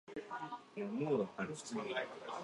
There were no other studios available.